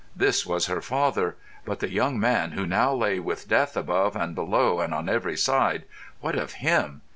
This was her father; but the young man who now lay with death above and below and on every side—what of him?